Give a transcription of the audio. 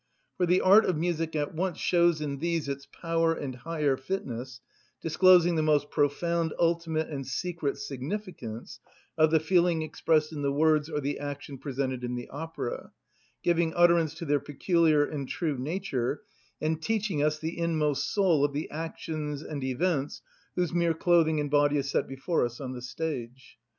For the art of music at once shows in these its power and higher fitness, disclosing the most profound ultimate and secret significance of the feeling expressed in the words or the action presented in the opera, giving utterance to their peculiar and true nature, and teaching us the inmost soul of the actions and events whose mere clothing and body is set before us on the stage.